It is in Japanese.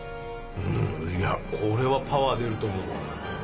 うんこれはパワー出ると思うわ。